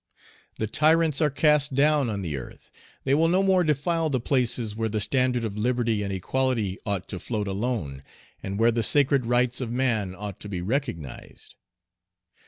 The tyrants are cast down on the earth; they will no more defile the places where the standard of liberty and equality ought to float alone, and where the sacred rights of man ought to be recognized.